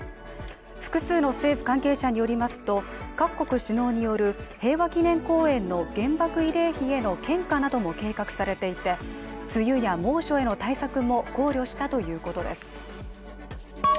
複数の政府関係者によりますと、各国首脳による平和記念公園の原爆慰霊碑への献花なども計画されていて梅雨や猛暑などへの対策も考慮したということです。